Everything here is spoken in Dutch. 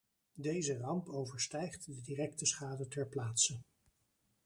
Deze ramp overstijgt de directe schade ter plaatse.